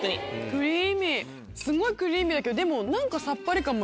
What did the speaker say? クリーミーすごいクリーミーだけどでも何かさっぱり感もあります。